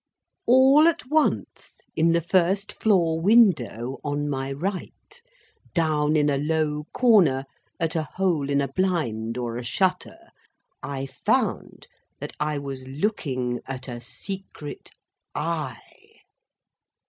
All at once—in the first floor window on my right—down in a low corner, at a hole in a blind or a shutter—I found that I was looking at a secret Eye.